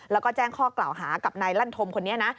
แล้วก็แจ้งข้อกล่าวหากับนายลั่นธมคนนี้นะ